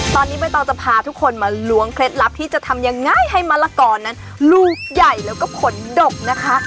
ตอนนี้ใบตองจะพาทุกคนมาล้วงเคล็ดลับที่จะทำยังไงให้มะละกอนั้นลูกใหญ่แล้วก็ผลดกนะคะ